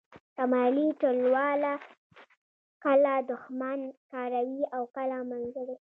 شمالي ټلواله کله دوښمن کاروي او کله ملګری